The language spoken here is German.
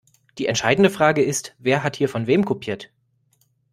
Die entscheidende Frage ist, wer hat hier von wem kopiert?